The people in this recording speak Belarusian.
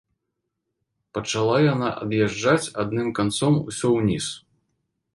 Пачала яна ад'язджаць адным канцом усё ўніз.